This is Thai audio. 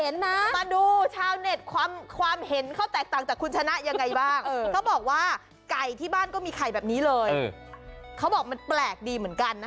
แล้วข้างในยังมีเปลือกไข่